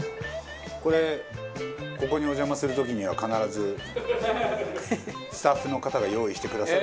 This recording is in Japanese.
これここにお邪魔する時には必ずスタッフの方が用意してくださる。